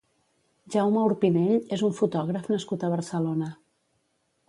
Jaume Orpinell és un fotògraf nascut a Barcelona.